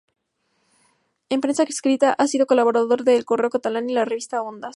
En prensa escrita ha sido colaborador de "El Correo Catalán" y la revista "Ondas".